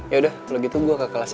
yaudah kalau gitu gue ke kelas